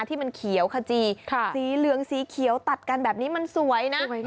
ที่มันเขียวขจีสีเหลืองสีเขียวตัดกันแบบนี้มันสวยนะ